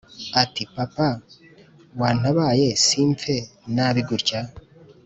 ati:papa wantabaye simpfe nabi gutya!